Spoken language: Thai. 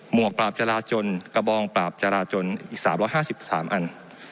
หมวกปราบจราจนกระบองปราบจราจนอีกสามร้อยห้าสิบสามอัน